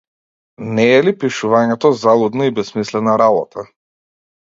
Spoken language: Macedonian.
Не е ли пишувањето залудна и бесмислена работа?